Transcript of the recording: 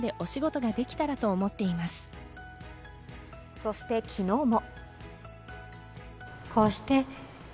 そして昨日も。